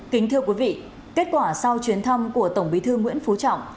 kính thưa quý vị kết quả sau chuyến thăm của tổng bí thư nguyễn phú trọng